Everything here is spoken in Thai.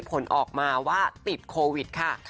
ผลออกมาว่าติดโควิดค่ะ